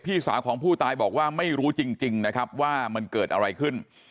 พี่สาวของผู้ตายบอกว่าไม่รู้จริงนะครับว่ามันเกิดอะไรขึ้น